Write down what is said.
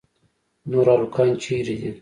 نور هلکان چیرې دي.